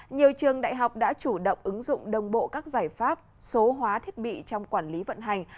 nhiều trường đại học đã chủ động ứng dụng đồng bộ các giải pháp số hóa thiết bị trong quản lý vận hành